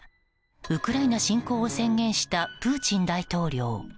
ウクライナ侵攻を宣言したプーチン大統領。